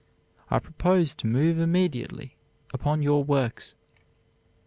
I propose to move immediately upon your works."